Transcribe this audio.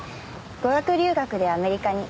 語学留学でアメリカに。